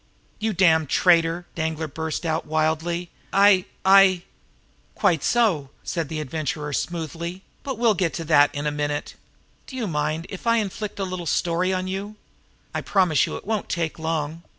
"You damned traitor!" Danglar burst out wildly. "I I " "Quite so!" said the Adventurer smoothly. "But we'll get to that in a minute. Do you mind if I inflict a little story on you? I promise you it won't take long.